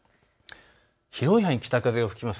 広い範囲、北風が吹きます。